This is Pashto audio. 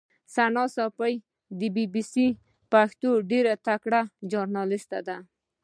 ثنا ساپۍ د بي بي سي پښتو ډېره تکړه ژورنالیسټه ده.